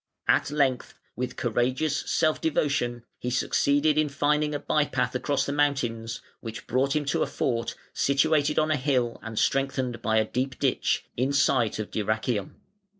At length, with courageous self devotion, he succeeded in finding a by path across the mountains, which brought him to a fort, situated on a hill and strengthened by a deep ditch, in sight of Dyrrhachium.